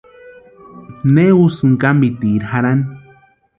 ¿Ne úsïni kámpitiri jarhani?